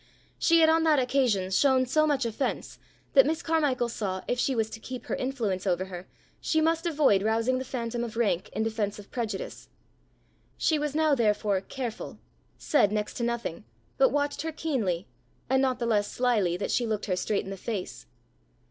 She had on that occasion shown so much offence that Miss Carmichael saw, if she was to keep her influence over her, she must avoid rousing the phantom of rank in defence of prejudice. She was now therefore careful said next to nothing, but watched her keenly, and not the less slyly that she looked her straight in the face.